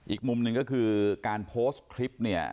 อีกมุมหนึ่งก็คือการโพสต์คลิปเนี่ย